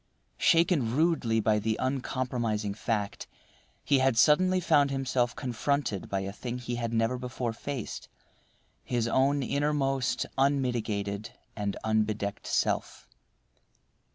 Shaken rudely by the uncompromising fact, he had suddenly found himself confronted by a thing he had never before faced—his own innermost, unmitigated, arid unbedecked self.